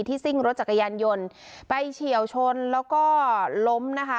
ซิ่งรถจักรยานยนต์ไปเฉียวชนแล้วก็ล้มนะคะ